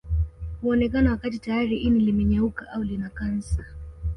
Huonekana wakati tayari ini limenyauka au lina kansa